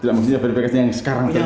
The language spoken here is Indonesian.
tidak mungkin verifikasi yang sekarang